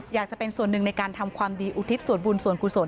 อยากจะเป็นส่วนหนึ่งในการทำความดีอุทิศส่วนบุญส่วนกุศล